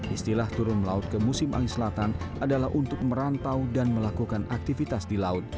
istilah turun laut ke musim angin selatan adalah untuk merantau dan melakukan aktivitas di laut